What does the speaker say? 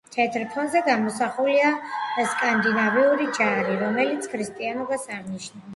თეთრ ფონზე გამოსახულია სკანდინავიური ჯვარი, რომელიც ქრისტიანობას აღნიშნავს.